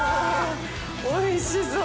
おいしそう！